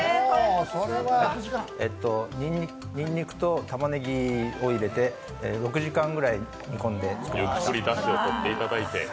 にんにくとたまねぎを入れて６時間くらい煮込んで作りました。